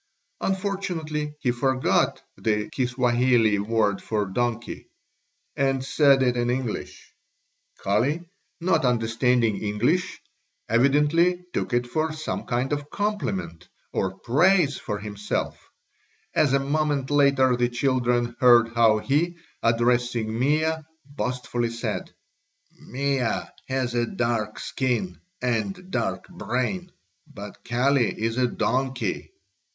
Unfortunately he forgot the Kiswahili word for donkey and said it in English. Kali, not understanding English, evidently took it for some kind of compliment or praise for himself, as a moment later the children heard how he, addressing Mea, boastfully said: "Mea has a dark skin and dark brain, but Kali is a donkey."